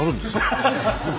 ハハハハ！